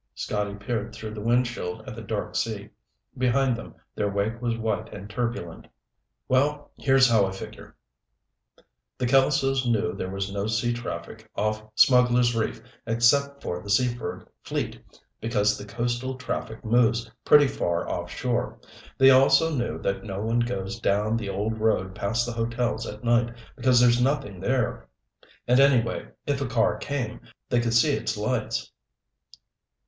Scotty peered through the windshield at the dark sea. Behind them, their wake was white and turbulent. "Well, here's how I figure. The Kelsos knew there was no sea traffic off Smugglers' Reef except for the Seaford fleet, because the coastal traffic moves pretty far offshore. They also knew that no one goes down the old road past the hotels at night because there's nothing there. And anyway, if a car came, they could see its lights."